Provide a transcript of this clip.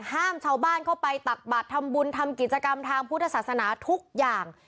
ห้ามชาวบ้านเข้าไปตักบัตรทำบุญทำกิจกรรมทางพุทธศาสนาทุกอย่าง